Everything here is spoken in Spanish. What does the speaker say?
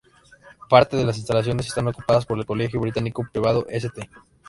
Parte de las instalaciones están ocupadas por el colegio británico privado St.